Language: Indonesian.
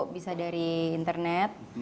bisa dari internet